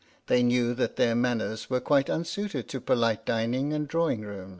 They knew that their manners were quite unsuited to polite dining and drawing rooms, 6 H.M.